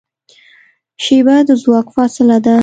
شیبه د ځواک فاصله ده.